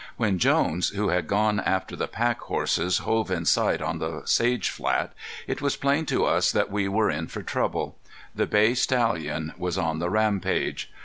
When Jones, who had gone after the pack horses, hove in sight on the sage flat, it was plain to us that we were in for trouble. The bay stallion was on the rampage.